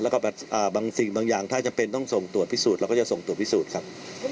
แล้วก็บางสิ่งบางอย่างถ้าจำเป็นต้องส่งตรวจพิสูจน์เราก็จะส่งตรวจพิสูจน์ครับ